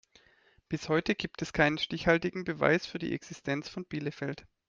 Bis heute gibt es keinen stichhaltigen Beweis für die Existenz von Bielefeld.